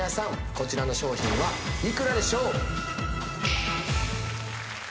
こちらの商品は幾らでしょう？